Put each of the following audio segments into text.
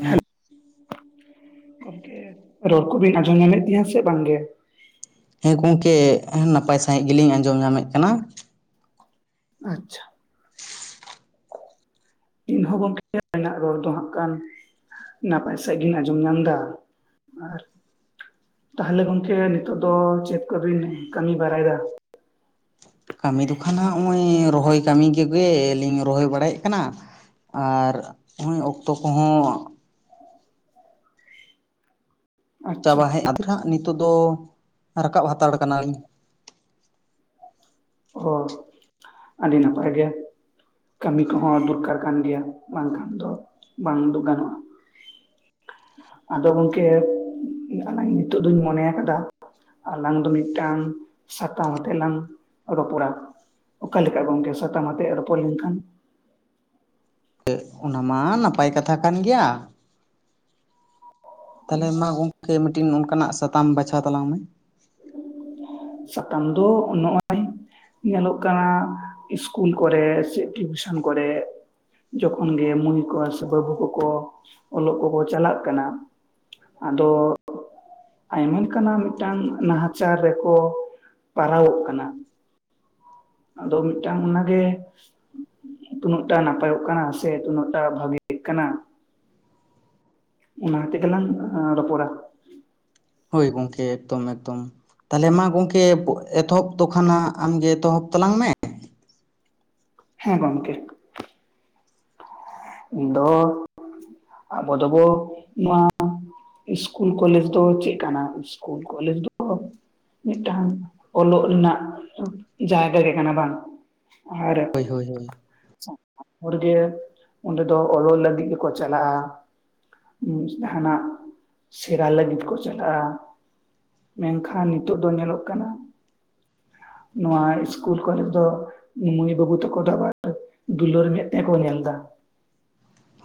ᱦᱮ hello ᱨᱚᱲ ᱠᱚᱵᱤᱱ ᱟᱸᱡᱚᱢ ᱧᱟᱢᱮᱫ ᱜᱮᱭᱟᱹ ᱥᱮ ᱵᱟᱝᱜᱮ? ᱦᱮᱸ ᱜᱚᱝᱠᱮ ᱱᱟᱯᱟᱭ ᱥᱟᱺᱦᱤᱡ ᱜᱮ ᱞᱤᱧ ᱟᱸᱡᱚᱢ ᱧᱟᱢ ᱮᱫ ᱠᱟᱱᱟ᱾ ᱟᱪᱪᱷᱟ ᱤᱧ ᱦᱚᱸ ᱜᱚᱝᱠᱮ [inaudible] ᱨᱚᱲ ᱫᱚ ᱦᱟᱸᱜ ᱠᱷᱟᱱ ᱱᱟᱯᱟᱭ ᱥᱟᱦᱤᱡ ᱜᱤᱧ ᱟᱸᱡᱚᱢ ᱧᱟᱢ ᱫᱟ ᱛᱟᱦᱚ ᱞᱮ ᱜᱚᱝᱠᱮ ᱱᱤᱛᱚᱜ ᱫᱚ ᱪᱮᱫ ᱠᱚᱵᱤᱱ ᱠᱟᱹᱢᱤ ᱵᱟᱲᱟᱭ ᱫᱟ? ᱠᱟᱹᱢᱤ ᱫᱚ ᱠᱷᱟᱱ ᱦᱟᱸᱜ ᱚᱸᱜᱚᱸᱭ ᱨᱚᱦᱚᱭ ᱠᱟᱹᱢᱤ ᱜᱮ ᱠᱚᱜᱮ ᱞᱤᱧ ᱨᱚᱦᱚᱭ ᱵᱟᱲᱟ ᱭᱮᱫ ᱠᱟᱱᱟ᱾ ᱟᱨ ᱚᱸ ᱚᱠᱛᱚ ᱠᱚᱸᱦᱚ ᱟᱪᱪᱷᱟ ᱪᱟᱵᱟ ᱦᱮᱡ ᱟᱫ ᱦᱟᱸᱜ ᱱᱤᱛᱳᱜ ᱫᱚ ᱨᱟᱠᱟᱵ ᱦᱟᱛᱟᱲ ᱠᱟᱱᱟ ᱞᱤᱧ᱾ ᱚ ᱟᱹᱰᱤ ᱱᱟᱯᱟᱭ ᱜᱮ᱾ ᱠᱟᱹᱢᱤ ᱠᱚᱦᱚᱸ ᱫᱚᱨᱠᱟᱨ ᱠᱟᱱ ᱜᱮᱭᱟ ᱵᱟᱝ ᱠᱷᱟᱱ ᱫᱚ ᱵᱟᱝ ᱫᱩᱜ ᱜᱟᱱᱚᱜᱼᱟ᱾ ᱟᱫᱚ ᱜᱚᱝᱠᱮ ᱟᱞᱟᱝ ᱱᱤᱛᱳᱜ ᱫᱚᱧ ᱢᱚᱱᱮ ᱟᱠᱟᱫᱟ ᱟᱞᱟᱝ ᱫᱚ ᱢᱤᱫᱴᱟᱝ ᱥᱟᱛᱟᱢ ᱛᱮᱞᱟᱝ ᱨᱚᱯᱚᱲᱟ᱾ ᱚᱠᱟ ᱞᱮᱠᱟ ᱜᱚᱝᱠᱮ ᱥᱟᱛᱟᱢ ᱟᱛᱮᱜ ᱨᱚᱯᱚᱲ ᱞᱮᱱᱠᱷᱟᱱ? ᱪᱮᱫ ᱚᱱᱟ ᱢᱟ ᱱᱟᱯᱟᱭ ᱠᱟᱛᱷᱟ ᱠᱟᱱ ᱜᱮᱭᱟ᱾ ᱛᱟᱞᱦᱮ ᱢᱟ ᱜᱚᱝᱠᱮ ᱢᱤᱫᱴᱤᱱ ᱚᱱᱠᱟᱱᱟᱜ ᱥᱟᱛᱟᱢ ᱵᱟᱪᱷᱟᱣ ᱛᱟᱞᱟᱝ ᱢᱮ᱾ ᱥᱟᱛᱟᱢ ᱫᱳ ᱱᱚᱜ-ᱚᱭ᱾ ᱧᱮᱞᱚᱜ ᱠᱟᱱᱟ ᱤᱥᱠᱩᱞ ᱠᱚᱨᱮ ᱥᱮ ᱴᱤᱭᱩᱥᱟᱱ ᱠᱚᱨᱮᱜ ᱡᱚᱠᱷᱚᱱ ᱜᱮ ᱢᱟᱹᱭ ᱠᱚ ᱥᱮ ᱵᱟᱹᱵᱩ ᱠᱚᱠᱚ ᱚᱞᱚᱜ ᱠᱚᱠᱚ ᱪᱟᱞᱟᱜ ᱠᱟᱱᱟ᱾ ᱟᱫᱚ ᱟᱭᱢᱟ ᱞᱮᱠᱟᱱᱟᱜ ᱢᱤᱫᱴᱟᱝ ᱱᱟᱦᱟᱪᱟᱨ ᱨᱮᱠᱚ ᱯᱟᱨᱟᱣᱚᱜ ᱠᱟᱱᱟ᱾ ᱟᱫᱚ ᱢᱤᱫᱴᱟᱝ ᱚᱱᱟᱜᱮ ᱛᱩᱱᱟᱹᱜ ᱴᱟ ᱱᱟᱯᱟᱭᱚᱜ ᱠᱟᱱᱟ ᱥᱮ ᱛᱩᱱᱟᱹᱜ ᱴᱟ ᱵᱷᱟᱜᱮᱜ ᱠᱟᱱᱟ᱾ ᱚᱱᱟ ᱦᱟᱛᱮᱜᱮ ᱞᱟᱝ ᱨᱚᱯᱚᱲᱟ᱾ ᱦᱳᱭ ᱜᱚᱝᱠᱮ ᱮᱠᱫᱚᱢ ᱮᱠᱫᱚᱢ᱾ ᱛᱟᱞᱦᱮ ᱢᱟ ᱜᱚᱝᱠᱮ ᱮᱛᱚᱦᱚᱵ ᱫᱚ ᱠᱷᱟᱱᱟᱜ ᱟᱢᱜᱮ ᱮᱛᱚᱦᱚᱵ ᱛᱟᱞᱟᱝ ᱢᱮ᱾ ᱦᱮᱸ ᱜᱚᱝᱠᱮ᱾ ᱫᱚ ᱟᱵᱚ ᱫᱚᱵᱚ ᱱᱚᱣᱟ ᱤᱥᱠᱩᱞ ᱠᱚᱞᱮᱡᱽ ᱫᱚ ᱪᱮᱫ ᱠᱟᱱᱟ, ᱤᱥᱠᱩᱞ ᱠᱚᱞᱮᱡᱽ ᱫᱚ ᱢᱤᱫᱴᱟᱝ ᱚᱞᱚᱜ ᱨᱮᱱᱟᱜ ᱡᱟᱭᱜᱟ ᱜᱮ ᱠᱟᱱᱟ ᱵᱟᱝ? ᱟᱨ ᱦᱳᱭ ᱦᱳᱭ ᱦᱳᱭ᱾ [unintelligible] ᱚᱨᱜᱮ ᱚᱸᱰᱮ ᱫᱚ ᱚᱞᱚᱜ ᱞᱟᱹᱜᱤᱫ ᱜᱮᱠᱚ ᱪᱟᱞᱟᱜ-ᱟ᱾ ᱡᱟᱸᱦᱟᱱᱟᱜ ᱥᱮᱲᱟ ᱞᱟᱹᱜᱤᱫ ᱠᱚ ᱪᱟᱞᱟᱜ-ᱟ᱾ ᱢᱮᱱᱠᱷᱟᱱ ᱱᱤᱛᱚᱜ ᱫᱚ ᱧᱮᱞᱚᱜ ᱠᱟᱱᱟ ᱱᱚᱣᱟ ᱤᱥᱠᱩᱞ ᱠᱚᱞᱮᱡᱽ ᱫᱚ ᱢᱟᱹᱭ ᱵᱟᱹᱵᱩ ᱛᱟᱠᱚ ᱫᱚ ᱟᱵᱟᱨ ᱫᱩᱞᱟᱹᱲ ᱢᱮᱫ ᱛᱮ ᱠᱚ ᱧᱮᱞᱫᱟ᱾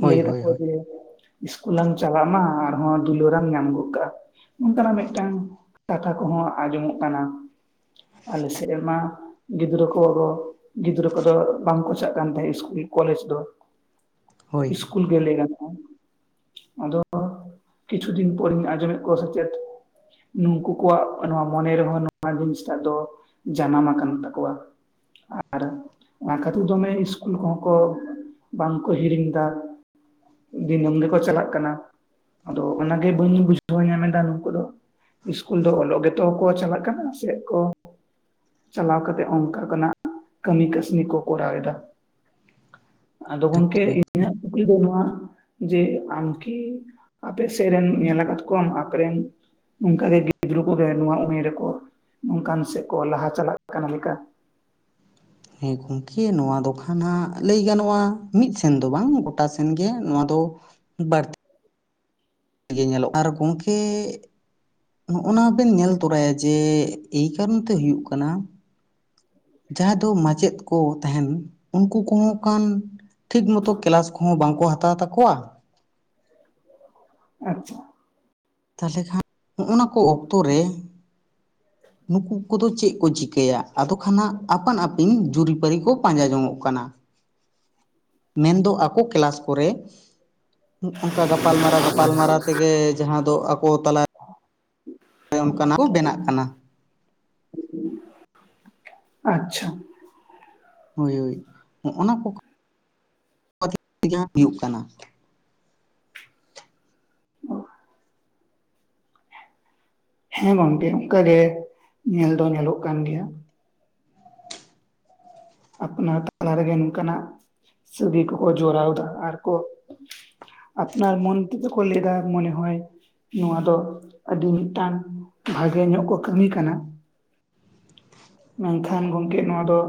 ᱦᱳᱭ ᱞᱟᱹᱭ ᱦᱳᱭ ᱫᱟᱠᱚ ᱦᱳᱭ ᱡᱮ ᱤᱥᱠᱩᱞ ᱞᱟᱝ ᱪᱟᱞᱟᱜ ᱢᱟ, ᱟᱨᱦᱚᱸ ᱫᱩᱞᱟᱹᱨᱟᱢ ᱧᱟᱢ ᱜᱚᱫ ᱠᱟᱜ-ᱟ᱾ ᱚᱱᱠᱟᱱᱟᱜ ᱢᱤᱫᱴᱟᱝ ᱠᱟᱛᱷᱟ ᱠᱚᱦᱚᱸ ᱟᱸᱡᱚᱢᱚᱜ ᱠᱟᱱᱟ᱾ ᱟᱞᱮ ᱥᱮᱫ ᱢᱟ ᱜᱤᱫᱽᱨᱟᱹ ᱠᱚ ᱫᱚ ᱜᱤᱫᱽᱨᱟᱹ ᱠᱚᱫᱚ ᱵᱟᱝᱠᱚ ᱪᱟᱜ ᱠᱟᱱ ᱛᱟᱦᱮᱸᱜ ᱤᱥᱠᱩᱞ ᱠᱚᱞᱮᱡᱽ ᱫᱚ᱾ ᱦᱳᱭ ᱤᱥᱠᱩᱞ ᱜᱮ ᱞᱟᱹᱭ ᱜᱟᱱᱚᱜ-ᱟ᱾ ᱟᱫᱚ ᱠᱤᱪᱷᱩ ᱫᱤᱱ ᱯᱚᱨᱤᱧ ᱟᱸᱡᱚᱢᱮᱫ ᱠᱚᱣᱟ ᱥᱮ ᱪᱮᱛ ᱱᱩᱱᱠᱩ ᱠᱚᱣᱟᱜ ᱱᱚᱣᱟ ᱢᱚᱱᱮ ᱨᱮᱦᱚᱸ ᱱᱚᱣᱟ ᱡᱤᱱᱤᱥᱴᱟᱜ ᱫᱚ ᱡᱟᱱᱟᱢ ᱟᱠᱟᱱ ᱛᱟᱠᱚᱣᱟ᱾ ᱟᱨ ᱚᱱᱟ ᱠᱷᱟᱹᱛᱤᱨ ᱫᱚᱢᱮ ᱤᱥᱠᱩᱞ ᱠᱚᱦᱚᱸ ᱠᱚ ᱵᱟᱝᱠᱚ ᱦᱤᱲᱤᱧ ᱮᱫᱟ, ᱫᱤᱱᱟᱹᱢ ᱜᱮᱠᱚ ᱪᱟᱞᱟᱜ ᱠᱟᱱᱟ᱾ ᱟᱫᱚ ᱚᱱᱟᱜᱮ ᱵᱟᱹᱧ ᱵᱩᱡᱷᱟᱹᱣ ᱧᱟᱢᱮᱫᱟ ᱱᱩᱝᱠᱩ ᱫᱚ ᱤᱥᱠᱩᱞ ᱫᱚ ᱚᱞᱚᱜ ᱜᱮᱛᱚ ᱠᱚ ᱪᱟᱞᱟᱜ ᱠᱟᱱᱟ, ᱥᱮᱜ ᱠᱚ ᱪᱟᱞᱟᱣ ᱠᱟᱛᱮᱜ ᱚᱱᱠᱟ ᱠᱟᱱᱟᱜ ᱠᱟᱹᱢᱤ ᱠᱟᱹᱥᱧᱤ ᱠᱚ ᱠᱚᱨᱟᱣᱮᱫᱟ᱾ ᱟᱫᱚ ᱜᱚᱝᱠᱮ ᱮᱠᱫᱚᱢ ᱮᱠᱫᱚᱢ᱾ ᱤᱧᱟᱹᱜ ᱠᱩᱠᱞᱤ ᱫᱚ ᱱᱚᱣᱟ ᱡᱮ ᱟᱢ ᱠᱤ ᱟᱯᱮ ᱥᱮᱫ ᱨᱮᱱ ᱧᱮᱞ ᱟᱠᱟᱛ ᱠᱚᱣᱟᱢ ᱟᱯᱮᱨᱮᱱ ᱱᱚᱝᱠᱟᱜᱮ ᱜᱤᱫᱽᱨᱟᱹ ᱠᱚᱜᱮ ᱱᱚᱣᱟ ᱩᱢᱮᱨ ᱨᱮᱠᱚ ᱱᱚᱝᱠᱟᱱ ᱥᱮᱫ ᱠᱚ ᱞᱟᱦᱟ ᱪᱟᱞᱟᱜ ᱠᱟᱱᱟ ᱞᱮᱠᱟ? ᱦᱮᱸ ᱜᱚᱝᱠᱮ ᱱᱚᱣᱟ ᱫᱚ ᱠᱷᱟᱱ ᱦᱟᱸᱜ ᱞᱟᱹᱭ ᱜᱟᱱᱚᱜ-ᱟ ᱢᱤᱫ ᱥᱮᱱ ᱫᱚ ᱵᱟᱝ ᱜᱚᱴᱟ ᱥᱮᱱ ᱜᱮ ᱱᱚᱣᱟ ᱫᱚ [unintelligible] ᱜᱮ ᱧᱮᱞᱚᱜ ᱟᱨ ᱜᱚᱝᱠᱮ ᱱᱚᱜᱼᱚᱱᱟ ᱵᱮᱱ ᱧᱮᱞ ᱛᱚᱨᱟᱭᱟ ᱡᱮ ᱮᱭ ᱠᱟᱨᱚᱱ ᱛᱮ ᱦᱩᱭᱩᱜ ᱠᱟᱱᱟ ᱡᱟᱦᱟᱸ ᱫᱚ ᱢᱟᱪᱮᱫ ᱠᱚ ᱛᱟᱦᱮᱱ ᱩᱱᱠᱩ ᱠᱚᱦᱚᱸ ᱠᱟᱱ ᱴᱷᱤᱠ ᱢᱚᱛᱚ ᱠᱮᱞᱟᱥ ᱠᱚᱦᱚᱸ ᱵᱟᱝᱠᱚ ᱦᱟᱛᱟᱣ ᱛᱟᱠᱚᱣᱟ᱾ ᱟᱪᱪᱷᱟ᱾ ᱛᱟᱦᱞᱮ ᱠᱷᱟᱱ ᱦᱚᱜᱼᱚᱱᱟ ᱠᱚ ᱚᱠᱛᱚ ᱨᱮ [inaudible] ᱱᱩᱠᱩ ᱠᱚᱫᱚ ᱪᱮᱜ ᱠᱚ ᱪᱤᱠᱟᱹᱭᱟ, ᱟᱫᱚ ᱠᱷᱟᱱ ᱦᱟᱸᱜ ᱟᱯᱟᱱ ᱟᱹᱯᱤᱱ ᱡᱩᱨᱤᱼᱯᱟᱹᱨᱤ ᱠᱚ ᱯᱟᱸᱡᱟ ᱡᱚᱝᱚᱜ ᱠᱟᱱᱟ᱾ ᱢᱮᱱᱫᱚ ᱟᱠᱚ ᱠᱮᱞᱟᱥ ᱠᱚᱨᱮ ᱚᱝᱠᱟ ᱜᱟᱯᱟᱞᱢᱟᱨᱟᱣ ᱼ ᱜᱟᱯᱟᱞᱢᱟᱨᱟᱣ ᱛᱮᱜᱮ ᱡᱟᱦᱟᱸ ᱫᱚ ᱟᱠᱚ ᱛᱟᱞᱟ ᱚᱱᱮ ᱚᱱᱠᱟᱱᱟᱜ ᱠᱚ ᱵᱮᱱᱟᱜ ᱠᱟᱱᱟ᱾ ᱟᱪᱪᱷᱟ, ᱦᱳᱭ ᱦᱳᱭ ᱦᱚᱸᱜᱼᱱᱟ ᱠᱚ [inaudible] ᱡᱟᱦᱟᱸ ᱦᱩᱭᱩᱜ ᱠᱟᱱᱟ᱾ ᱦᱮᱸ ᱜᱚᱝᱠᱮ ᱚᱝᱠᱟᱜᱮ ᱧᱮᱞ ᱫᱚ ᱧᱮᱞᱚᱜ ᱠᱟᱱ ᱜᱮᱭᱟ᱾ ᱟᱯᱱᱟᱨ ᱛᱟᱞᱟ ᱨᱮᱜᱮ ᱱᱚᱝᱠᱟᱱᱟᱜ ᱥᱟᱹᱜᱟᱹᱭ ᱠᱚᱠᱚ ᱡᱚᱨᱟᱣ ᱫᱟ ᱟᱨ ᱠᱚ ᱟᱯᱱᱟᱨ ᱢᱚᱱ ᱛᱮᱫᱚ ᱠᱚ ᱞᱟᱹᱭ ᱫᱟ ᱢᱚᱱᱮ ᱦᱚᱭ ᱱᱚᱣᱟ ᱫᱚ ᱟᱹᱰᱤ ᱢᱤᱜᱴᱟᱝ ᱵᱷᱟᱜᱮ ᱧᱚᱜ ᱠᱚ ᱠᱟᱹᱢᱤ ᱠᱟᱱᱟ᱾ ᱢᱮᱱᱠᱷᱟᱱ ᱜᱚᱝᱠᱮ ᱱᱚᱣᱟ ᱫᱚ,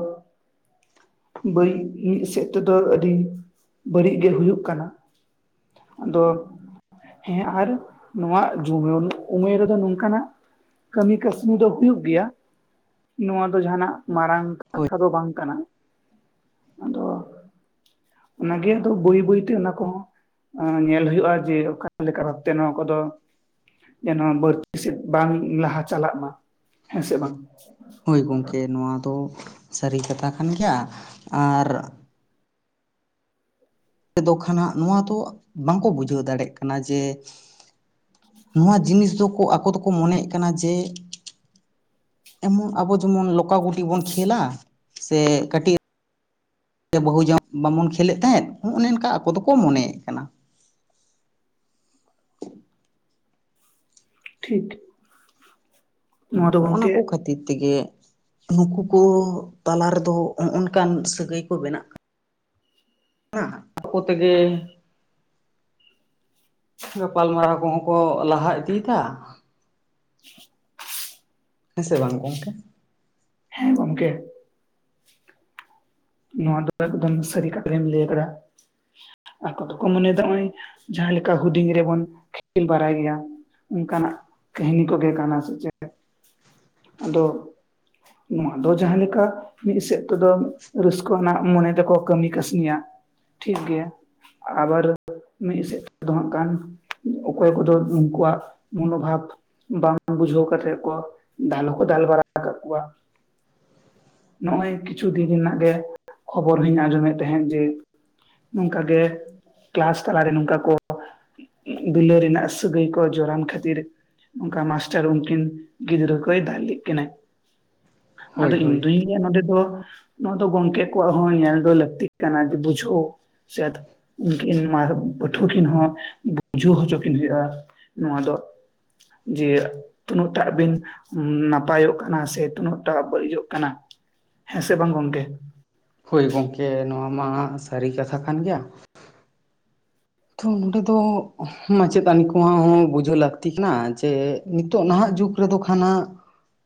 ᱵᱟᱹᱲᱤᱜ ᱢᱤᱜ ᱥᱮᱜ ᱛᱮᱫᱚ ᱟᱹᱰᱤ ᱵᱟᱹᱲᱤᱜ ᱜᱮ ᱦᱩᱭᱩᱜ ᱠᱟᱱᱟ᱾ ᱟᱫᱚ ᱦᱮᱸ ᱟᱨ ᱱᱚᱣᱟ ᱡᱩᱭᱟᱹᱱ ᱩᱢᱮᱨ ᱨᱮᱫᱚ ᱱᱚᱝᱠᱟᱱᱟᱜ ᱠᱟᱹᱢᱤ ᱠᱟᱹᱥᱱᱤ ᱫᱚ ᱦᱩᱭᱩᱜ ᱜᱮᱭᱟ᱾ ᱱᱚᱣᱟ ᱫᱚ ᱡᱟᱦᱟᱸᱱᱟᱜ ᱢᱟᱨᱟᱝ ᱦᱳᱭ ᱠᱟᱛᱷᱟ ᱫᱚ ᱵᱟᱝ ᱠᱟᱱᱟ᱾ ᱟᱫᱚ ᱚᱱᱟᱜᱮ ᱟᱫᱚ ᱵᱟᱹᱭ ᱵᱟᱹᱭ ᱛᱮ ᱚᱱᱟ ᱠᱚᱸᱦᱚᱸ ᱚᱸ ᱧᱮᱞ ᱦᱩᱭᱩᱜᱼᱟ ᱡᱮ ᱚᱠᱟ ᱞᱮᱠᱟ ᱵᱷᱟᱵᱽᱛᱮ ᱱᱚᱣᱟ ᱠᱚᱫᱚ ᱮᱱ ᱦᱚᱸ ᱵᱟᱹᱲᱛᱤ ᱥᱮᱫ ᱵᱟᱝ ᱞᱟᱦᱟ ᱪᱟᱞᱟᱜ ᱢᱟ᱾ ᱦᱮᱸ ᱥᱮ ᱵᱟᱝ? ᱦᱳᱭ ᱜᱚᱢᱠᱮ ᱱᱚᱣᱟ ᱫᱚ ᱥᱟᱹᱨᱤ ᱠᱟᱛᱷᱟ ᱠᱟᱱ ᱜᱮᱭᱟ, ᱟᱨ ᱛᱮᱫᱚ ᱠᱷᱟᱱ ᱦᱟᱸᱜ ᱱᱚᱣᱟ ᱫᱚ ᱵᱟᱝᱠᱚ ᱵᱩᱡᱷᱟᱹᱣ ᱫᱟᱲᱮᱜ ᱠᱟᱱᱟ ᱡᱮ ᱱᱚᱣᱟ ᱡᱤᱱᱤᱥ ᱫᱚᱠᱚ ᱟᱠᱚ ᱫᱚᱠᱚ ᱢᱚᱱᱮᱭᱮᱜ ᱠᱟᱱᱟ ᱡᱮ, ᱮᱢᱚᱱ ᱟᱵᱚ ᱡᱮᱢᱚᱱ ᱞᱚᱠᱟ ᱜᱩᱴᱤ ᱵᱚᱱ ᱠᱷᱮᱞᱟ, ᱥᱮ ᱠᱟᱹᱴᱤᱜ ᱵᱟᱹᱦᱩ ᱡᱟᱣᱟᱸ ᱵᱟᱵᱚᱱ ᱠᱷᱮᱞᱮᱜ ᱛᱟᱦᱮᱸᱜ ᱚᱱᱮ ᱚᱝᱠᱟ ᱟᱠᱚ ᱫᱚᱠᱚ ᱢᱚᱱᱮᱭᱮᱜ ᱠᱟᱱᱟ᱾ ᱴᱷᱤᱠ, ᱦᱳᱭ ᱱᱚᱣᱟ ᱫᱚ ᱦᱚᱸᱜᱼᱱᱟ ᱜᱚᱝᱠᱮ ᱠᱚ ᱠᱷᱟᱹᱛᱤᱨ ᱛᱮᱜᱮ ᱱᱩᱠᱩ ᱠᱚ ᱛᱟᱞᱟ ᱨᱮᱫᱚ ᱦᱚᱸᱜᱼ ᱱᱚᱝᱠᱟᱱ ᱥᱟᱹᱜᱟᱹᱭ ᱠᱚ ᱵᱮᱱᱟᱜ ᱠᱟᱱᱟ᱾ ᱟᱠᱚ ᱛᱮᱜᱮ ᱜᱟᱯᱟᱞᱢᱟᱨᱟᱣ ᱠᱚᱦᱚᱸ ᱠᱚ ᱞᱟᱦᱟ ᱤᱫᱤ ᱫᱟ᱾ [inaudible] ᱦᱮᱸ ᱥᱮ ᱵᱟᱝ ᱜᱚᱝᱠᱮ? ᱦᱮᱸ ᱜᱚᱝᱠᱮ᱾ ᱱᱚᱣᱟ ᱫᱚ ᱮᱠᱫᱚᱢ ᱥᱟᱹᱨᱤ ᱠᱟᱛᱷᱟᱜᱮᱢ ᱞᱟᱹᱭ ᱠᱟᱫᱟ᱾ ᱟᱠᱚ ᱫᱚᱠᱚ ᱢᱚᱱᱮᱫᱟ ᱦᱚᱸᱜᱼᱚᱭ ᱡᱟᱦᱟᱸ ᱞᱮᱠᱟ ᱦᱩᱸᱰᱤᱧ ᱨᱮᱵᱚᱱ ᱠᱷᱮᱞ ᱵᱟᱲᱟᱭ ᱜᱮᱭᱟ ᱚᱱᱠᱟᱱᱟᱜ ᱠᱟᱹᱦᱤᱱᱤ ᱠᱚᱜᱮ ᱠᱟᱱᱟ ᱥᱮ ᱪᱮᱜ ᱟᱫᱚ ᱱᱚᱣᱟ ᱫᱚ ᱡᱟᱦᱟᱸ ᱞᱮᱠᱟ ᱢᱤᱜ ᱥᱮᱜ ᱛᱮᱫᱚ ᱨᱟᱹᱥᱠᱟᱹᱣᱟᱱᱟᱜ ᱢᱚᱱᱮ ᱛᱮᱠᱚ ᱠᱟᱹᱢᱤ ᱠᱟᱹᱥᱱᱤᱭᱟ ᱴᱷᱤᱠ ᱜᱮᱭᱟ᱾ ᱟᱵᱟᱨ ᱢᱤᱜ ᱥᱮᱜ ᱛᱮᱫ ᱫᱚ ᱦᱟᱸᱜ ᱠᱟᱱ ᱚᱠᱚᱭ ᱠᱚᱫᱚ ᱩᱱᱠᱩᱣᱟᱜ ᱢᱚᱱᱳ ᱵᱷᱟᱵᱽ ᱵᱟᱝ ᱵᱩᱡᱷᱟᱹᱣ ᱠᱟᱛᱮᱜ ᱠᱚ ᱫᱟᱞ ᱦᱚᱸᱠᱚ ᱫᱟᱞ ᱵᱟᱲᱟ ᱟᱠᱟᱜ ᱠᱚᱣᱟ᱾ ᱱᱚᱜᱼᱚᱭ ᱠᱤᱪᱷᱩ ᱫᱤᱱ ᱨᱮᱱᱟᱜ ᱜᱮ ᱠᱷᱚᱵᱚᱨ ᱦᱚᱧ ᱟᱸᱡᱚᱢᱮᱜ ᱛᱟᱦᱮᱸᱜ ᱡᱮ ᱱᱚᱝᱠᱟ ᱜᱮ ᱠᱟᱞᱟᱥ ᱛᱟᱞᱟᱨᱮ ᱱᱚᱝᱠᱟ ᱠᱚ ᱫᱩᱞᱟᱹᱲ ᱨᱮᱱᱟᱜ ᱥᱟᱹᱜᱟᱹᱭ ᱠᱚ ᱡᱚᱨᱟᱱ ᱠᱷᱟᱹᱛᱤᱨ ᱚᱝᱠᱟ ᱢᱟᱥᱴᱟᱨ ᱩᱱᱠᱤᱱ ᱜᱤᱫᱽᱨᱟᱹ ᱠᱚᱭ ᱫᱟᱞ ᱞᱮᱜ ᱠᱤᱱᱟᱭ᱾ ᱟᱫᱚ ᱦᱳᱭ ᱦᱳᱭ ᱤᱧᱫᱩᱧ ᱞᱟᱹᱭᱟ ᱱᱚᱸᱰᱮ ᱫᱚ, ᱱᱚᱣᱟ ᱫᱚ ᱜᱚᱢᱠᱮ ᱠᱚᱣᱟᱜ ᱦᱚᱸ ᱧᱮᱞ ᱫᱚ ᱞᱟᱹᱠᱛᱤᱜ ᱠᱟᱱᱟ ᱡᱮ ᱵᱩᱡᱷᱟᱹᱣ᱾ ᱥᱮᱫ ᱩᱝᱠᱤᱱ ᱢᱟᱨ ᱯᱟᱹᱴᱷᱩᱣᱟᱹ ᱠᱤᱱ ᱦᱚᱸ ᱵᱩᱡᱷᱟᱹᱣ ᱦᱚᱪᱚ ᱠᱤᱱ ᱦᱳᱭᱳᱜ-ᱟ᱾ ᱱᱚᱣᱟ ᱫᱚ ᱡᱮ᱾ ᱛᱤᱱᱟᱹᱜᱴᱟᱜ ᱵᱤᱱ ᱱᱟᱯᱟᱭᱚᱜ ᱠᱟᱱᱟ ᱥᱮ ᱛᱤᱱᱟᱹᱜᱴᱟᱜ ᱵᱟᱲᱤᱡᱚᱜ ᱠᱟᱱᱟ᱾ ᱦᱮᱸ ᱥᱮ ᱵᱟᱝ ᱜᱚᱢᱠᱮ᱾ ᱦᱳᱭ ᱜᱝᱢᱠᱮ ᱱᱚᱣᱟ ᱢᱟ ᱥᱟᱨᱤ ᱠᱟᱛᱷᱟ ᱠᱟᱱ ᱜᱮᱭᱟ᱾ ᱛᱷᱚ ᱱᱚᱰᱮ ᱫᱚ ᱢᱟᱪᱮᱛᱟᱱᱤ ᱠᱚᱦᱚᱸ ᱵᱩᱡᱷᱟᱹᱣ ᱞᱟᱠᱛᱤ ᱠᱟᱱᱟ ᱡᱮ᱾ ᱱᱤᱛᱳᱜ ᱱᱟᱦᱟᱜ ᱡᱩᱜᱽ ᱨᱮᱫᱚ ᱠᱷᱟᱱ ᱦᱟᱸᱜ᱾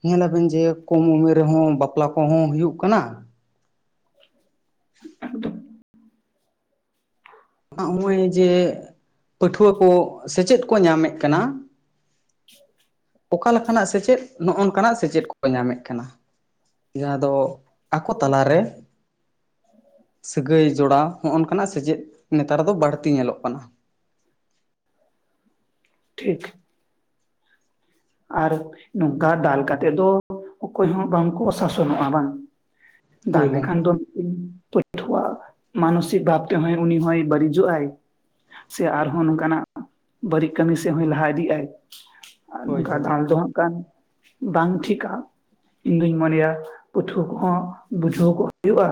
ᱧᱮᱞᱟᱵᱮᱱ ᱡᱮ ᱠᱚᱢ ᱩᱢᱮᱨ ᱨᱮᱦᱚᱸ ᱵᱟᱯᱞᱟ ᱠᱚᱦᱚᱸ ᱦᱩᱭᱩᱜ ᱠᱟᱱᱟ᱾ ᱮᱠᱫᱚᱢ ᱱᱚᱜᱚᱭ ᱡᱮ ᱯᱟᱹᱴᱷᱩᱣᱟᱹ ᱠᱚ ᱥᱮᱪᱮᱫ ᱠᱚ ᱧᱟᱢᱮᱜ ᱠᱟᱱᱟ᱾ ᱚᱠᱟ ᱞᱮᱠᱟᱱᱟᱜ ᱥᱮᱪᱮᱫ ᱱᱚᱜ ᱱᱚᱠᱟᱱᱟᱜ ᱥᱮᱪᱮᱫ ᱠᱚ ᱧᱟᱢᱮᱜ ᱠᱟᱱᱟ᱾ ᱡᱟᱸᱦᱟ ᱫᱚ ᱟᱠᱚ ᱛᱟᱞᱟᱨᱮ᱾ ᱥᱟᱹᱜᱟᱹᱭ ᱡᱚᱲᱟᱣ ᱦᱚᱸᱜ ᱱᱚᱠᱟᱱᱟᱜ ᱥᱮᱪᱮᱫ ᱱᱮᱛᱟᱨ ᱫᱚ ᱵᱟᱲᱛᱤ ᱧᱮᱞᱚᱜ ᱠᱟᱱᱟ᱾ ᱴᱷᱤᱠ᱾ ᱟᱨ ᱱᱚᱝᱠᱟ ᱫᱟᱞ ᱠᱟᱛᱮ ᱫᱚ ᱚᱠᱚᱭ ᱦᱚᱸ ᱵᱟᱝᱠᱚ ᱥᱟᱥᱚᱱᱚᱜ-ᱟ ᱵᱟᱝ᱾ ᱦᱳᱭ ᱫᱟᱞ ᱞᱮᱠᱷᱟᱱ ᱜᱚᱝᱠᱮ ᱫᱚ ᱯᱟᱹ [unintelligible] ᱢᱟᱱᱚᱥᱤᱠ ᱵᱷᱟᱵᱽ ᱛᱮ ᱦᱚᱸᱭ ᱩᱱᱤ ᱦᱚᱸᱭ ᱵᱟᱲᱤᱡᱚᱜ ᱟᱭ᱾ ᱥᱮ ᱟᱨᱦᱚᱸ ᱱᱚᱝᱠᱟᱱᱟᱜ ᱵᱟᱹᱲᱤᱜ ᱠᱟᱹᱢᱤ ᱥᱮᱜ ᱦᱚᱸᱭ ᱞᱟᱦᱟ ᱤᱫᱤᱜ ᱟᱭ᱾ ᱟᱨ ᱦᱳᱭ ᱱᱚᱝᱠᱟ ᱦᱳᱭ ᱫᱟᱞ ᱫᱚ ᱦᱟᱸᱜ ᱠᱷᱟᱱ ᱵᱟᱝ ᱴᱷᱤᱠᱟ᱾ ᱤᱧ ᱫᱩᱧ ᱢᱚᱱᱮᱭᱟ ᱯᱟᱹᱴᱷᱩᱣᱟᱹ ᱠᱚᱦᱚᱸ ᱵᱩᱡᱷᱟᱹᱣ ᱠᱚ ᱦᱳᱭᱳᱜ-ᱟ᱾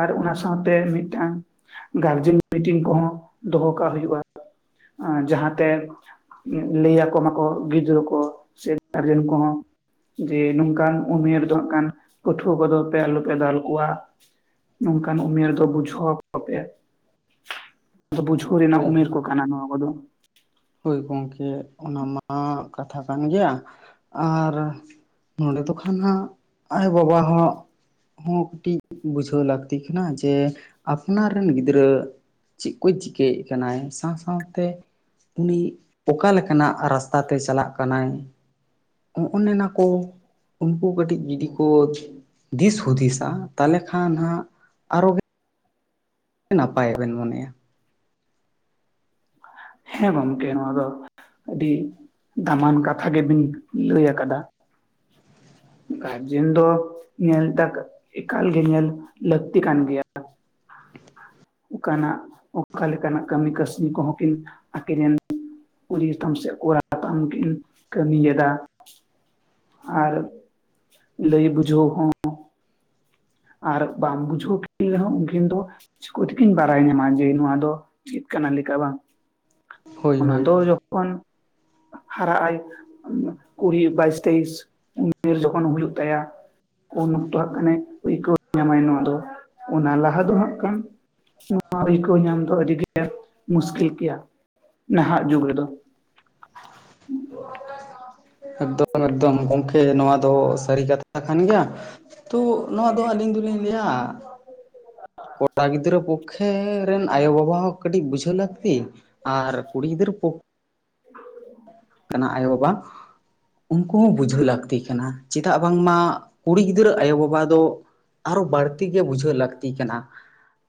ᱟᱨ ᱚᱱᱟ ᱥᱟᱶᱛᱮ ᱢᱤᱜᱴᱟᱝ ᱜᱟᱨᱡᱮᱱ ᱢᱤᱴᱤᱝ ᱠᱚᱦᱚᱸ ᱫᱚᱦᱚ ᱠᱟᱜ ᱦᱩᱭᱩᱜ-ᱟ᱾ ᱦᱟᱸ ᱡᱟᱸᱦᱟᱛᱮ ᱞᱟᱹᱭ ᱟᱠᱚ ᱢᱟᱠᱚ᱾ ᱜᱤᱫᱽᱨᱟᱹ ᱠᱚ ᱥᱮ ᱜᱟᱨᱡᱮᱱ ᱠᱚᱦᱚᱸ᱾ ᱡᱮ ᱱᱚᱝᱠᱟᱱ ᱩᱢᱮᱨ ᱫᱚ ᱦᱟᱸᱜ ᱠᱷᱟᱱ ᱯᱟᱹᱴᱷᱩᱣᱟᱹ ᱠᱚᱫᱚ ᱯᱮ ᱟᱞᱚᱯᱮ ᱫᱟᱞ ᱠᱚᱣᱟ᱾ ᱱᱚᱝᱠᱟᱱ ᱩᱢᱮᱨ ᱫᱚ ᱵᱩᱡᱷᱟᱹᱣ ᱟᱠᱚ ᱯᱮ ᱛᱚ ᱵᱩᱡᱷᱟᱹᱣ᱾ ᱠᱩᱨᱤᱱᱟᱜ ᱦᱳᱭ ᱩᱢᱮᱨ ᱦᱳᱭ ᱠᱚ‌ᱠᱟᱱᱟ ᱱᱚᱣᱟ ᱠᱚᱫᱚ᱾ ᱦᱳᱭ ᱜᱚᱢᱠᱮ, ᱚᱱᱟ ᱢᱟ ᱠᱟᱛᱷᱟ ᱠᱟᱱ ᱜᱮᱭᱟ, ᱟᱨ᱾ ᱱᱚᱰᱮ ᱫᱚ ᱠᱷᱟᱱ ᱦᱟᱸᱜ ᱟᱭᱳ ᱵᱟᱵᱟ ᱦᱚᱸ᱾ ᱦᱚᱸ ᱠᱟᱹᱴᱤᱡ ᱵᱩᱡᱷᱟᱹᱣ ᱞᱟᱠᱛᱤ ᱠᱟᱱᱟ, ᱡᱮ ᱟᱯᱱᱟᱨ ᱨᱮᱱ ᱜᱤᱫᱽᱨᱟᱹ᱾ ᱪᱮᱜ ᱠᱚᱭ ᱪᱤᱠᱟᱹᱭᱮᱜ ᱠᱟᱱᱟᱭ ᱥᱟᱶ ᱥᱟᱶᱛᱮ᱾ ᱩᱱᱤ ᱚᱠᱟ ᱞᱮᱠᱟᱱᱟᱜ ᱨᱟᱥᱛᱟ ᱛᱮ ᱪᱟᱞᱟᱜ ᱠᱟᱱᱟᱭ᱾ ᱚᱱᱮ ᱚᱱᱟ ᱠᱚ᱾ ᱩᱱᱠᱩ ᱠᱟᱹᱴᱤᱡ ᱡᱩᱫᱤ ᱠᱚ ᱫᱤᱥ ᱦᱩᱫᱤᱥᱟ ᱛᱟᱦᱞᱮ ᱠᱷᱟᱱ ᱦᱟᱸᱜ, ᱟᱨᱚ᱾ ᱱᱟᱯᱟᱭᱚᱜ ᱵᱮᱱ ᱢᱚᱱᱮᱭᱟ᱾ ᱦᱮᱸ ᱜᱚᱢᱠᱮ ᱱᱚᱣᱟ ᱫᱚ᱾ ᱟᱹᱰᱤ ᱫᱟᱢᱟᱱ ᱠᱟᱛᱷᱟ ᱜᱮᱵᱤᱱ ᱞᱟᱹᱭ ᱟᱠᱟᱫᱟ᱾ ᱜᱟᱨᱡᱮᱱ ᱫᱚ ᱧᱮᱞ ᱴᱟᱠ ᱮᱠᱟᱞ ᱜᱮ ᱧᱮᱞ ᱞᱟᱹᱠᱛᱤ ᱠᱟᱱ ᱜᱮᱭᱟ᱾ ᱚᱠᱟᱱᱟᱜ ᱚᱠᱟ ᱞᱮᱠᱟᱱᱟᱜ ᱠᱟᱹᱢᱤ ᱠᱟᱹᱥᱱᱤ ᱠᱚᱦᱚᱸ ᱠᱤᱱ ᱟᱠᱤᱱ ᱨᱮᱱ᱾ ᱠᱩᱲᱤ ᱜᱮᱛᱟᱢ ᱥᱮ ᱠᱚᱲᱟ ᱛᱟᱢ ᱠᱤᱱ ᱠᱟᱹᱢᱤᱭᱮᱫᱟ᱾ ᱟᱨ ᱞᱟᱹᱭ ᱵᱩᱡᱷᱟᱹᱣ ᱦᱚᱸ᱾ ᱟᱨ ᱵᱟᱢ ᱵᱩᱡᱷᱟᱹᱣ ᱠᱤᱱ ᱨᱮᱦᱚᱸ ᱩᱠᱤᱱ ᱫᱚ᱾ ᱪᱤᱠᱳ ᱛᱮᱠᱤᱱ ᱵᱟᱲᱟᱭ ᱧᱟᱢᱟ ᱡᱮ ᱱᱚᱣᱟ ᱫᱚ ᱪᱮᱫ ᱠᱟᱱᱟ ᱞᱮᱠᱟ ᱵᱟᱝ, ᱦᱳᱭ ᱚᱱᱟ ᱦᱳᱭ ᱫᱚ ᱡᱚ ᱠᱚᱱ᱾ ᱦᱟᱨᱟᱜ ᱟᱭ ᱠᱩᱲᱤ ᱵᱟᱭᱤᱥ ᱛᱮᱭᱤᱥ ᱩᱢᱮᱨ ᱡᱚᱠᱷᱚᱱ ᱦᱩᱭᱩᱜ ᱛᱟᱭᱟ᱾ ᱩᱱ ᱚᱠᱛᱚ ᱦᱟᱸᱜ ᱠᱷᱟᱱ ᱮ ᱟᱹᱭᱠᱟᱹᱣ ᱧᱟᱢᱟᱭ ᱱᱚᱣᱟ ᱫᱚ, ᱚᱱᱟ ᱞᱟᱦᱟ ᱫᱚ ᱦᱟᱸᱜ ᱠᱷᱟᱱ᱾ [inaudible] ᱧᱟᱢ ᱫᱚ ᱟᱹᱰᱤᱜᱮ ᱢᱩᱥᱠᱤᱞ ᱜᱮᱭᱟ ᱱᱟᱦᱟᱜ ᱡᱩᱜᱽ ᱨᱮᱫᱚ᱾ ᱮᱠᱫᱚᱢ ᱮᱠᱫᱚᱢ ᱜᱚᱢᱠᱮ ᱱᱚᱣᱟ ᱫᱚ ᱥᱟᱹᱨᱤ ᱠᱟᱛᱷᱟ ᱠᱟᱱ ᱜᱮᱭᱟ, ᱛᱚ ᱱᱚᱣᱟ ᱫᱚ ᱟᱹᱞᱤᱧ ᱫᱚᱞᱤᱧ ᱞᱟᱹᱭᱟ [inaudible] [inaudible] ᱜᱤᱫᱽᱨᱟᱹ ᱯᱚᱠᱠᱷᱮ ᱨᱮᱱ ᱟᱭᱳ ᱵᱟᱵᱟ ᱦᱚᱸ ᱠᱟᱹᱴᱤᱡ ᱵᱩᱡᱷᱟᱹᱣ ᱞᱟᱹᱠᱛᱤ ᱟᱨ ᱠᱩᱲᱤ ᱜᱤᱫᱽᱨᱟᱹ ᱯᱚᱠ [inaudible] ᱠᱟᱱᱟ ᱟᱭᱳ ᱵᱟᱵᱟ ᱩᱱᱠᱩ ᱦᱚᱸ ᱵᱩᱡᱷᱟᱹᱣ ᱞᱟᱹᱠᱛᱤ ᱠᱟᱱᱟ, ᱪᱮᱫᱟᱜ ᱵᱟᱝᱢᱟ ᱠᱩᱲᱤ ᱜᱤᱫᱽᱨᱟᱹ ᱟᱭᱳ ᱵᱟᱵᱟ ᱫᱚ ᱟᱨᱚ ᱵᱟᱹᱲᱛᱤ ᱜᱮ ᱵᱩᱡᱷᱟᱹᱣ ᱞᱟᱹᱠᱛᱤ ᱠᱟᱱᱟ,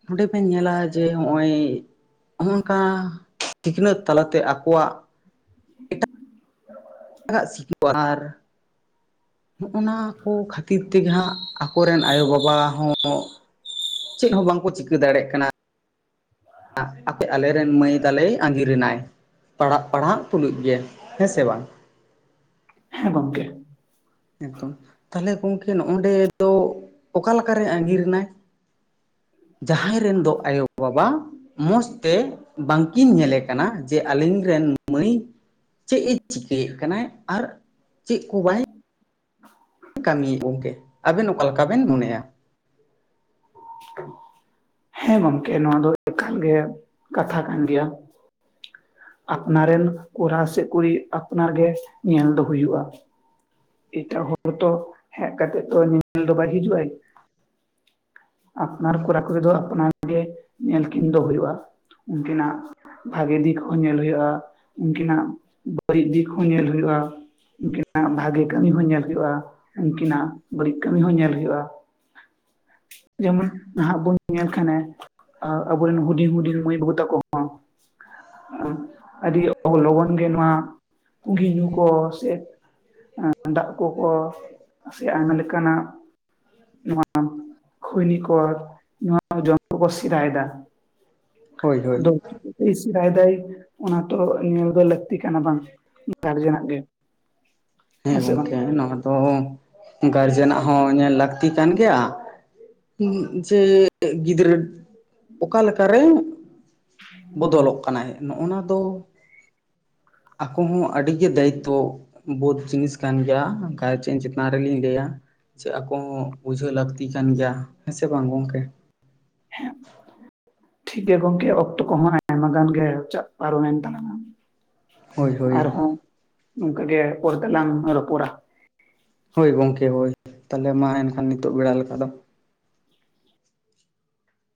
ᱱᱚᱰᱮ ᱵᱮᱱ ᱧᱮᱞᱟ ᱡᱮ ᱦᱚᱸᱜᱼᱚᱭ ᱦᱚᱸᱜ-ᱚᱝᱠᱟ ᱥᱤᱠᱷᱱᱟᱹᱛ ᱛᱟᱞᱟᱛᱮ ᱟᱠᱚᱣᱟᱜ [inaudible] [inaudible] ᱟᱨ ᱦᱚᱸᱜᱼᱚ ᱱᱟ ᱠᱚ ᱠᱷᱟᱹᱛᱤᱨ ᱛᱮᱜᱮ ᱦᱟᱸᱜ ᱟᱠᱚᱨᱮᱱ ᱟᱭᱳ ᱵᱟᱵᱟ ᱦᱚᱸ ᱪᱮᱫ ᱦᱚᱸ ᱵᱟᱝᱠᱚ ᱪᱤᱠᱟᱹ ᱫᱟᱲᱮᱜ ᱠᱟᱱᱟ᱾ ᱟᱯᱮ ᱟᱞᱮᱨᱮᱱ ᱢᱟᱹᱭ ᱛᱟᱞᱮᱭ ᱟᱜᱤᱨ ᱮᱱᱟᱭ᱾ ᱯᱟᱲᱦᱟᱜ ᱯᱟᱲᱦᱟᱜ ᱛᱩᱞᱩᱡ ᱜᱮ, ᱦᱮᱸ ᱥᱮ ᱵᱟᱝ? ᱦᱮᱸ ᱜᱚᱝᱠᱮ᱾ ᱮᱠᱫᱚᱢ, ᱛᱟᱦᱞᱮ ᱜᱚᱝᱠᱮ ᱱᱚᱜ ᱚᱰᱮ ᱫᱚ ᱚᱠᱟ ᱞᱮᱠᱟ ᱨᱮ ᱟᱹᱜᱤᱨ ᱮᱱᱟᱭ? ᱡᱟᱸᱦᱟᱸᱜ ᱨᱮᱱ ᱫᱚ ᱟᱭᱳ ᱵᱟᱵᱟ ᱢᱚᱸᱡᱽᱛᱮ ᱵᱟᱝᱠᱤᱱ ᱧᱮᱞᱮ ᱠᱟᱱᱟ ᱡᱮ ᱟᱹᱞᱤᱧ ᱨᱮᱱ ᱢᱟᱹᱭ ᱪᱮᱫ ᱮ ᱪᱤᱠᱟᱹᱭᱮᱫ ᱠᱟᱱᱟ ᱟᱨ ᱪᱮᱫ ᱠᱚ ᱵᱟᱭ ᱠᱟᱹᱢᱤᱭᱮᱫ ᱜᱚᱝᱠᱮ, ᱟᱵᱮᱱ ᱚᱠᱟ ᱞᱮᱠᱟ ᱵᱮᱱ ᱢᱚᱱᱮᱭᱟ? ᱦᱮᱸ ᱜᱚᱢᱠᱮ ᱱᱚᱣᱟ ᱫᱚ ᱮᱠᱟᱞ ᱜᱮ ᱠᱟᱛᱷᱟ ᱠᱟᱱ ᱜᱮᱭᱟ᱾ ᱟᱯᱱᱟᱨ ᱨᱮᱱ ᱠᱚᱲᱟ ᱥᱮ ᱠᱩᱲᱤ ᱟᱯᱱᱟᱨ ᱜᱮ ᱧᱮᱞ ᱫᱚ ᱦᱩᱭᱩᱜᱼᱟ᱾ ᱮᱴᱟᱜ ᱦᱚᱲᱛᱚ ᱦᱮᱜ ᱠᱟᱛᱮᱫ ᱛᱚ [inaudible] ᱫᱚ ᱵᱟᱭ ᱦᱤᱡᱩᱜ ᱟᱭ᱾ ᱟᱯᱱᱟᱨ ᱠᱚᱨᱟ ᱠᱩᱨᱤ ᱫᱚ ᱟᱯᱱᱟᱨ ᱜᱮ ᱧᱮᱞ ᱠᱤᱱ ᱫᱚ ᱦᱩᱭᱩᱜᱼᱟ᱾ ᱩᱱᱠᱤᱱᱟᱜ ᱵᱷᱟᱜᱮ ᱫᱤᱠ ᱦᱚᱸ ᱧᱮᱞ ᱦᱩᱭᱩᱜᱼᱟ, ᱩᱱᱠᱤᱱᱟᱜ ᱵᱟᱹᱲᱤᱡ ᱫᱤᱠ ᱦᱚᱸ ᱧᱮᱞ ᱦᱩᱭᱩᱜᱼᱟ, ᱩᱱᱠᱤᱱᱟᱜ ᱵᱷᱟᱜᱮ ᱠᱟᱹᱢᱤ ᱦᱚᱸ ᱧᱮᱞ ᱦᱩᱭᱩᱜᱼᱟ ᱩᱱᱠᱤᱱᱟᱜ ᱵᱟᱹᱲᱤᱡ ᱠᱟᱹᱢᱤ ᱦᱚᱸ ᱧᱮᱞ ᱦᱩᱭᱩᱜᱼᱟ᱾ ᱡᱮᱢᱚᱱ ᱱᱟᱦᱟᱜ ᱵᱚᱱ ᱧᱮᱞ ᱠᱷᱟᱱᱮ, ᱟ ᱟᱵᱚᱨᱮᱱ ᱦᱩᱰᱤᱧ ᱦᱩᱰᱤᱧ ᱢᱟᱹᱭ ᱵᱟᱹᱵᱩ ᱛᱟᱠᱚ ᱦᱚᱸ ᱟ ᱟᱹᱰᱤ ᱞᱚᱜᱚᱱ ᱜᱮ ᱱᱚᱣᱟ ᱯᱩᱸᱜᱤ ᱧᱩ ᱠᱚ ᱥᱮ ᱫᱟᱜ ᱠᱚᱠᱚ ᱥᱮ ᱟᱭᱢᱟ ᱞᱮᱠᱟᱱᱟᱜ ᱱᱚᱣᱟ ᱠᱷᱚᱭᱱᱤ ᱠᱚ ᱱᱚᱣᱟ ᱡᱚᱢ ᱠᱚᱠᱚ ᱥᱮᱨᱟᱭ ᱫᱟ᱾ ᱦᱳᱭ ᱦᱳᱭ᱾ ᱫᱚ ᱪᱤᱠᱟᱹᱛᱮᱭ ᱥᱮᱸᱨᱟᱭ ᱫᱟᱭ ᱚᱱᱟ ᱛᱚ ᱧᱮᱞ ᱫᱚ ᱞᱟᱹᱠᱛᱤ ᱠᱟᱱᱟ ᱵᱟᱝ? ᱜᱟᱨᱡᱮᱱᱟᱜ ᱜᱮ᱾ ᱦᱮᱸ ᱥᱮ ᱵᱟᱝ ᱜᱚᱝᱠᱮ ᱱᱚᱣᱟ ᱫᱚ ᱜᱟᱨᱡᱮᱱᱟᱜ ᱦᱚᱸ ᱧᱮᱞ ᱞᱟᱹᱠᱛᱤ ᱠᱟᱱ ᱜᱮᱭᱟ, ᱩᱸᱜ ᱡᱮ ᱜᱤᱫᱽᱨᱟᱹ ᱚᱠᱟ ᱞᱮᱠᱟᱨᱮ ᱵᱚᱫᱚᱞᱚᱜ ᱠᱟᱱᱟᱭ? ᱱᱚᱜᱼᱱᱟ ᱫᱚ ᱟᱠᱚ ᱦᱚᱸ ᱟᱹᱰᱤ ᱜᱮ ᱫᱟᱭᱤᱛᱛᱚ ᱵᱳᱫ ᱡᱤᱱᱤᱥ ᱠᱟᱱ ᱜᱮᱭᱟ᱾ ᱜᱟᱨᱡᱮᱱ ᱪᱮᱛᱟᱱ ᱨᱮᱞᱤᱧ ᱞᱮᱭᱟ ᱡᱮ ᱟᱠᱚ ᱦᱚᱸ ᱯᱩᱡᱷᱟᱹ ᱯᱮ ᱞᱟᱹᱠᱛᱤ ᱠᱟᱱ ᱜᱮᱭᱟ ᱦᱮᱸ ᱥᱮ ᱵᱟᱝ ᱜᱚᱝᱠᱮ ᱦᱮ [inaudible] ᱴᱷᱤᱠ ᱜᱮᱭᱟ ᱜᱚᱝᱠᱮ ᱚᱠᱛᱚ ᱠᱚᱦᱚᱸ ᱟᱭᱢᱟ ᱜᱟᱱ ᱜᱮ ᱪᱟᱜ ᱯᱟᱨᱚᱢᱮᱱ ᱛᱟᱞᱟᱝᱟ᱾ ᱦᱳᱭ ᱦᱳᱭ ᱟᱨ ᱦᱚᱸ ᱱᱚᱝᱠᱟ ᱜᱮ ᱯᱚᱨᱮ ᱛᱮᱞᱟᱝ ᱨᱚᱯᱚᱲᱟ ᱾ ᱦᱳᱭ ᱜᱚᱝᱠᱮ ᱦᱳᱭ ᱛᱟᱦᱚᱞᱮ ᱢᱟ ᱮᱱᱠᱷᱟᱱ ᱱᱤᱛᱳᱜ ᱵᱮᱲᱟ ᱞᱮᱠᱟ ᱫᱚ᱾